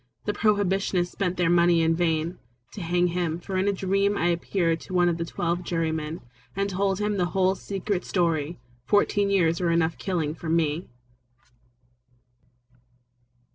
The Prohibitionists spent their money in vain To hang him, for in a dream I appeared to one of the twelve jurymen And told him the whole secret story. Fourteen years were enough for killing me.